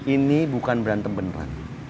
ini bukan berantem beneran